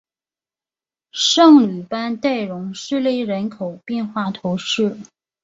圣吕班代容什雷人口变化图示